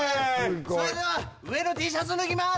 それでは上のＴシャツ脱ぎまーす！